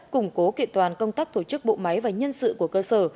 củng cố kiện toàn công tác tổ chức bộ máy và nhân sự của cơ sở